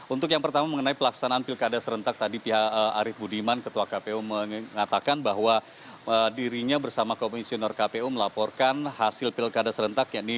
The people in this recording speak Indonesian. untuk yang pertama mengenai pelaksanaan pilkada serentak tadi pihak arief budiman ketua kpu mengatakan bahwa dirinya bersama komisioner kpu melaporkan hasil pilkada serentak